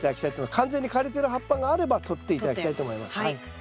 完全に枯れてる葉っぱがあれば取って頂きたいと思います。